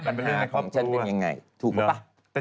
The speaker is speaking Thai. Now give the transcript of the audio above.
ปัญหาของฉันเป็นอย่างไรถูกหรือเปล่า